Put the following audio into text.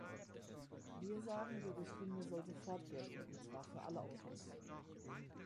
Wir sagen, die Richtlinie soll sofort gelten, und zwar für alle Autos.